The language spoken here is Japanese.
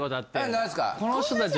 何ですか？